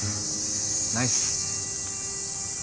ナイス。